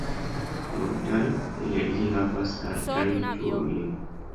Multaj el ili havas altajn turojn.